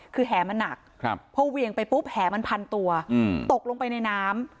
คือแหมันหนักพอเวียงไปปุ๊บแหมันพันตัวตกลงไปในน้ำ